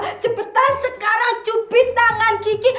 ayo cepetan jubit tangan kiki